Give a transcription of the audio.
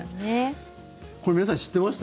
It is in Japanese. これ、皆さん知ってました？